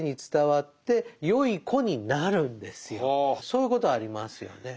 そういうことありますよね。